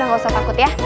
nggak usah takut ya